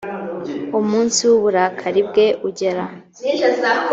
umunsi w uburakari bwe ugera